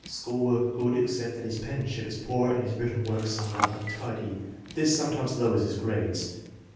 School work good, except that his penmanship is poor and his written work somewhat untidy. This sometimes lowers his grades.